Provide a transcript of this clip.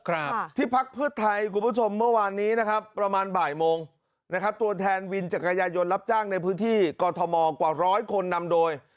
ครับที่พักเพื่อไทยคุณผู้ชมเมื่อวานนี้นะครับประมาณบ่ายโมงนะครับตัวแทนวินจักรยายนต์รับจ้างในพื้นที่กรทมกว่าร้อยคนนำโดย